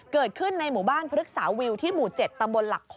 เกิดขึ้นในหมู่บ้านพฤกษาวิวที่หมู่๗ตำบลหลัก๖